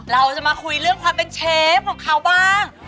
เราจะมาคุยเรื่องความเป็นเชฟของเขาบ้าง